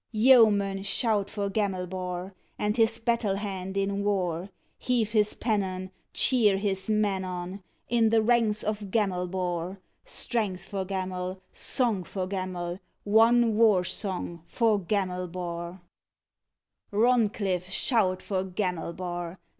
Yeomen, shout for Gamelbar, And his battle hand in war! Heave his pennon; Cheer his men on, In the ranks of Gamelbar! Strength for Gamel, Song for Gamel, One war song for Gamelbar! Roncliffe, shout for Gamelbar!